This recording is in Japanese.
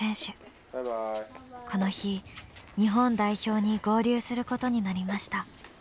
この日日本代表に合流することになりました。